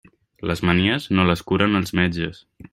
Les manies, no les curen els metges.